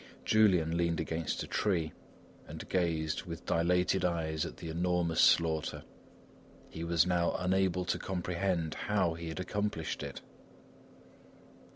Julian leaned against a tree and gazed with dilated eyes at the enormous slaughter. He was now unable to comprehend how he had accomplished it.